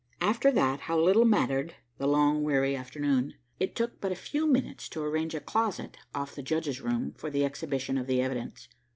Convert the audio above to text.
After that how little mattered the long weary afternoon. It took but a few minutes to arrange a closet off the judge's room for the exhibition of the evidence.